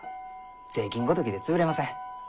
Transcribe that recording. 税金ごときで潰れません。